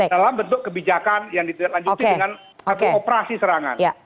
dalam bentuk kebijakan yang dilanjutkan dengan operasi serangan